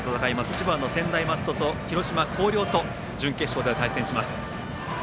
千葉の専大松戸と広島・広陵と準決勝では対戦します。